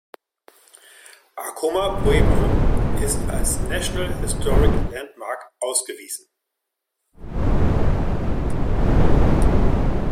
Acoma Pueblo ist als National Historic Landmark ausgewiesen.